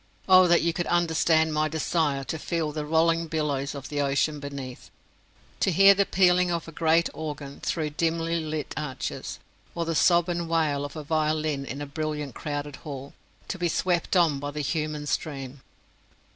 Oh that you could understand my desire to feel the rolling billows of the ocean beneath, to hear the pealing of a great organ through dimly lit arches, or the sob and wail of a violin in a brilliant crowded hall, to be swept on by the human stream.